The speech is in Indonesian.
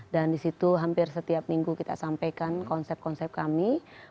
dan di situ hampir setiap minggu kita sampaikan konsep konsep kami